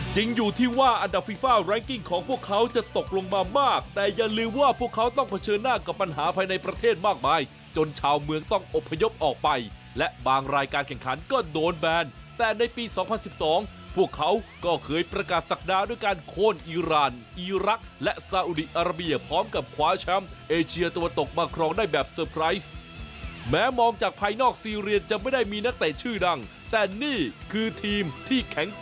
จริงอยู่ที่ว่าอันดับฟีฟ้ารังกิ้งของพวกเขาจะตกลงมามากแต่อย่าลืมว่าพวกเขาต้องเผชิญหน้ากับปัญหาภายในประเทศมากมายจนชาวเมืองต้องอบพยพออกไปและบางรายการแข่งขันก็โดนแบนแต่ในปีสองพันสิบสองพวกเขาก็เคยประกาศสักดาลด้วยการโคนอีรานอีรักและซาอุดีอาราเบียพร้อมกับขวาแชมป์เอเชี